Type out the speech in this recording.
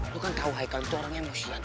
lu kan tau haikal orang emosional